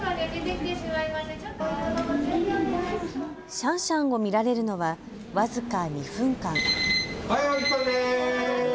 シャンシャンを見られるのは僅か２分間。